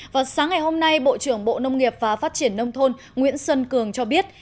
vào sáng ngày hôm nay bộ trưởng bộ nông nghiệp và phát triển nông thôn nguyễn xuân cường cho biết